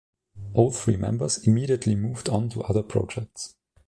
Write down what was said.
All three members immediately moved on to other projects.